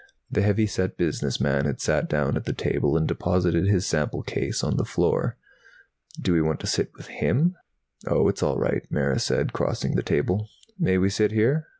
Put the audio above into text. The heavy set business man had sat down at the table and deposited his sample case on the floor. "Do we want to sit with him?" "Oh, it's all right," Mara said, crossing to the table. "May we sit here?"